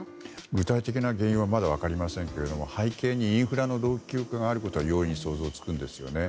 具体的な原因はまだ分かりませんけれども背景にインフラの老朽があることは容易に想像がつくんですね。